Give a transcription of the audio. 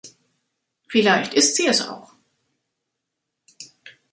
Vielleicht ist sie es auch.